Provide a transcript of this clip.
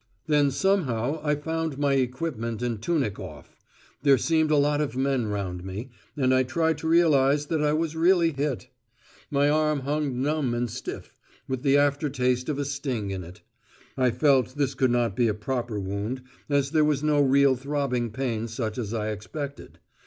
Then somehow I found my equipment and tunic off; there seemed a lot of men round me; and I tried to realise that I was really hit. My arm hung numb and stiff, with the after taste of a sting in it. I felt this could not be a proper wound, as there was no real throbbing pain such as I expected.